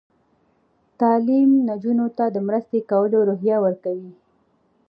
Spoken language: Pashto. تعلیم نجونو ته د مرستې کولو روحیه ورکوي.